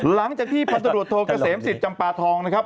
หลังจากที่พันตรวจโทเกษมศิษย์จำปาทองนะครับ